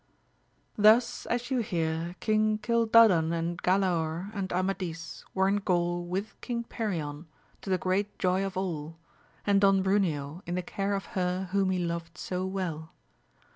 Thus as you hear King Cildadan and Galaor and Amadis were in Gaul with King Perion, to the great joy of all, and Don Bruneo in the care of her whom he loved so well.